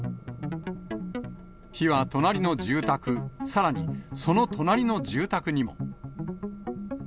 火は隣の住宅、さらにその隣の住宅にも。